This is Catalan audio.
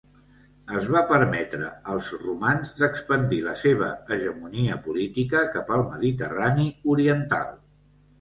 Es va permetre als romans d'expandir la seva hegemonia política cap al Mediterrani oriental.